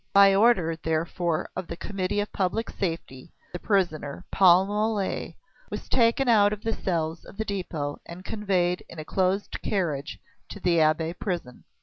By order, therefore, of the Committee of Public Safety, the prisoner, Paul Mole, was taken out of the cells of the depot and conveyed in a closed carriage to the Abbaye prison.